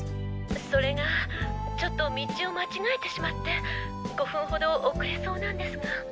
それがちょっと道を間違えてしまって５分ほど遅れそうなんですが。